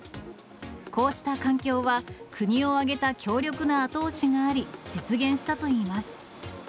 こうした環境は、国を挙げた強力な後押しがあり、実現したといいます。